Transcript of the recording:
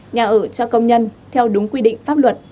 nhà ở cho công nhân theo đúng quy định pháp luật